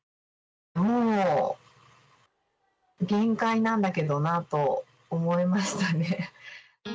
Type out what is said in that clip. もう限界なんだけどなと思いましたね。